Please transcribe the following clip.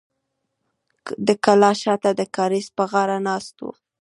د کلا شاته د کاریز پر غاړه ناست و.